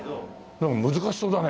でも難しそうだね。